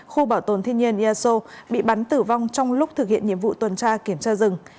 khu bảo tồn thiên nhiên eso bị bắn tử vong trong lúc thực hiện nhiệm vụ tuần tra kiểm tra rừng